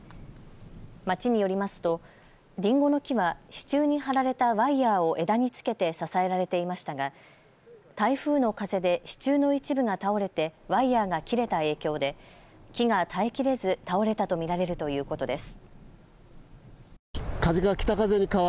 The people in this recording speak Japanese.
町によりますとりんごの木は支柱に張られたワイヤーを枝につけて支えられていましたが台風の風で支柱の一部が倒れてワイヤーが切れた影響で木が耐えきれず倒れたと見られるということです。